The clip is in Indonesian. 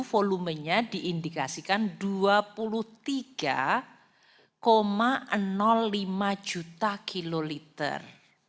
volumenya diindikasikan dua puluh tiga lima juta kiloliter